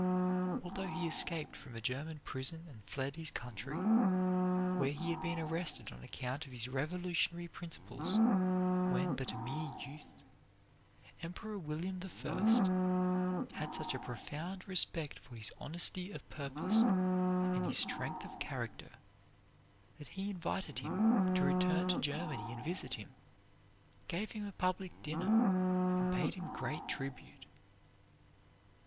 Although he escaped from a German prison and fled his country, where he had been arrested on account of his revolutionary principles when but a mere youth, Emperor William the First had such a profound respect for his honesty of purpose and his strength of character that he invited him to return to Germany and visit him, gave him a public dinner, and paid him great tribute.